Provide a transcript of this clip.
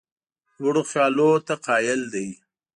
لوړو خیالونو ته قایل دی.